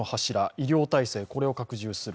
医療体制、これを拡充する。